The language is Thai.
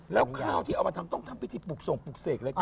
แล้วข้าวที่เอามาทำต้องทำพิธีปลูกส่งปลูกเสกอะไรก่อน